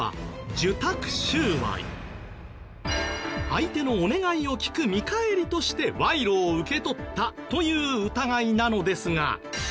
相手のお願いを聞く見返りとして賄賂を受け取ったという疑いなのですが。